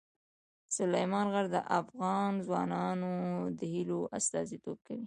سلیمان غر د افغان ځوانانو د هیلو استازیتوب کوي.